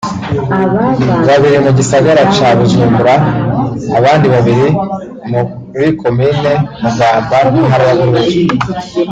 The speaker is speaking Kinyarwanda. babiri mu gisagara ca Bujumbura abandi babiri muri komine Mugamba mu ntara ya Bururi